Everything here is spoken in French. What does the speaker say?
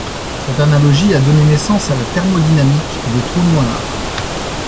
Cette analogie a donné naissance à la thermodynamique des trous noirs.